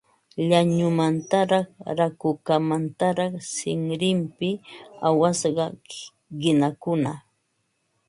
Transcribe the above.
Llañumantaraq rakukamantaraq sinrinpi awasqa qinakuna